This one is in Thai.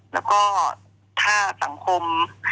แล้วก็ถ้าสังคม